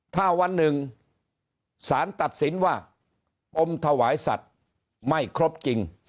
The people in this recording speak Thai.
ถ้าวันหนึ่งสารตัดสินว่าปมถวายสัตว์ไม่ครบจริง